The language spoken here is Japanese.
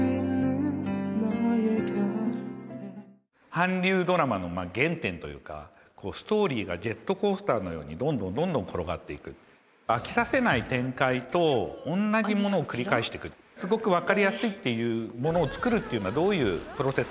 韓流ドラマの原点というかストーリーがジェットコースターのようにどんどんどんどん転がっていく飽きさせない展開とおんなじものを繰り返していくすごくわかりやすいっていうものをつくるっていうのはどういうプロセスなのか